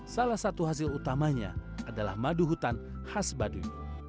salah satu hasil utamanya adalah madu hutan khas baduy